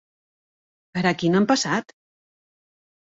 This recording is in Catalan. Per aquí no hem passat!